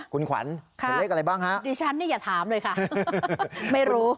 คุณขวัญเป็นเลขอะไรบ้างฮะดิฉันเนี่ยอย่าถามเลยค่ะไม่รู้